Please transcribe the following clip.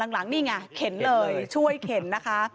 หลังนี่ไงเข็นเลยช่วยเข็นนะคะ